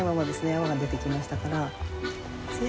泡が出てきましたから。